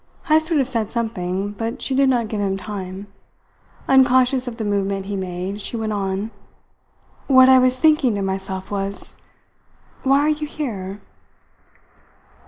Heyst would have said something, but she did not give him time. Unconscious of the movement he made she went on: "What I was thinking to myself was, why are you here?"